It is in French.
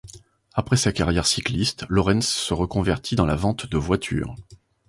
Après sa carrière cycliste, Lorenz se reconvertit dans la vente de voiture.